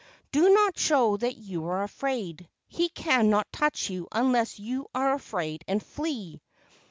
Do not show that you are afraid. He cannot touch you unless you are afraid and flee.